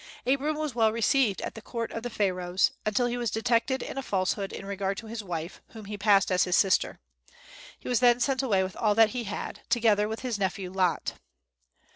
Abram was well received at the court of the Pharaohs, until he was detected in a falsehood in regard to his wife, whom he passed as his sister. He was then sent away with all that he had, together with his nephew Lot.